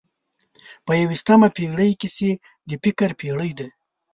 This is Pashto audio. په یوویشتمه پېړۍ کې چې د فکر پېړۍ ده.